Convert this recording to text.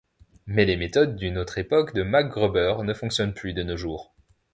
Mais les méthodes d'une autre époque de MacGruber ne fonctionnent plus de nos jours...